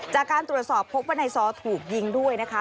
จากการตรวจสอบพบว่านายซอถูกยิงด้วยนะคะ